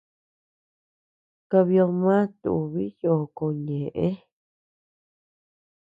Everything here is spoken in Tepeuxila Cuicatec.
Kabiodma tubi yoko ñeʼe.